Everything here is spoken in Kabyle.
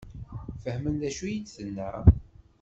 Fehmen d acu i d-tenna?